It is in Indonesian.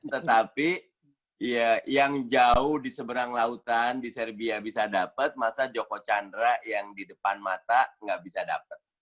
tetapi yang jauh di seberang lautan di serbia bisa dapat masa joko chandra yang di depan mata nggak bisa dapat